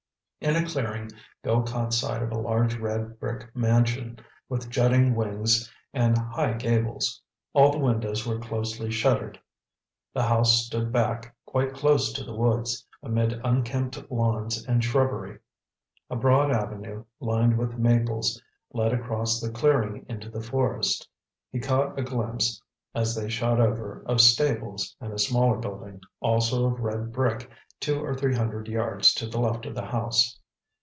In a clearing Bill caught sight of a large red brick mansion, with jutting wings and high gables. All the windows were closely shuttered. The house stood back, quite close to the woods, amid unkempt lawns and shrubbery. A broad avenue lined with maples led across the clearing into the forest. He caught a glimpse as they shot over, of stables and a smaller building, also of red brick, two or three hundred yards to the left of the house.